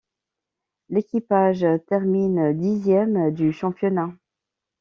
L'équipage termine dixième du championnat.